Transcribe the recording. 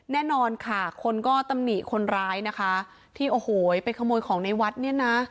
แน่นอนค่ะคนก็ตำหนิคนร้ายนะคะที่โอ้โหไปขโมยของในวัดเนี่ยนะ